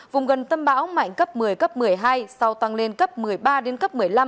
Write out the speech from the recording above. vùng gần tâm bão mạnh cấp một mươi cấp một mươi hai sau tăng lên cấp một mươi ba đến cấp một mươi năm